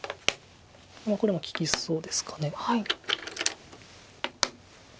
これも利きそうですか。